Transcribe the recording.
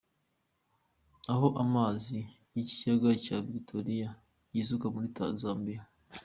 Aho amazi y’ikiyaga cya Victoria yisuka muri Zambia.